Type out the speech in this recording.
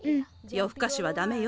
夜ふかしはダメよ。